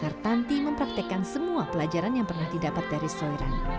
hartanti mempraktikkan semua pelajaran yang pernah didapat dari soiran